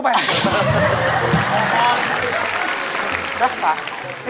ไปหนูเข้าของเราไป